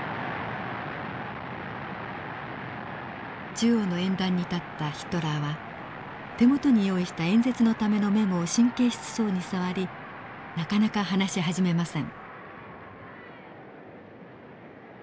中央の演壇に立ったヒトラーは手元に用意した演説のためのメモを神経質そうに触りなかなか話し始めません。